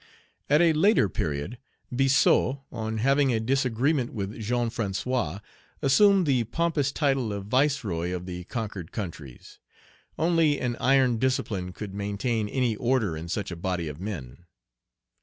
At a later period, Biassou, on having a disagreement with Jean François, assumed the pompous title of viceroy of the conquered countries. Only an iron discipline could maintain any order in such a body of men.